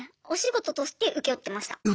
お仕事として請け負ってました。